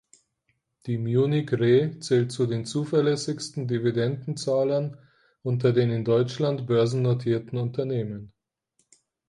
Die Munich Re zählt zu den zuverlässigsten Dividenden-Zahlern unter den in Deutschland börsennotierten Unternehmen.